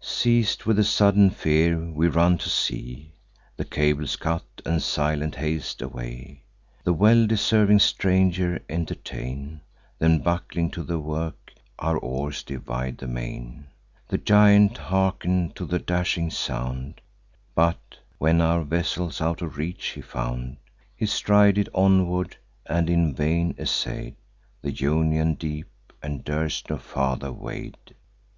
"Seiz'd with a sudden fear, we run to sea, The cables cut, and silent haste away; The well deserving stranger entertain; Then, buckling to the work, our oars divide the main. The giant harken'd to the dashing sound: But, when our vessels out of reach he found, He strided onward, and in vain essay'd Th' Ionian deep, and durst no farther wade.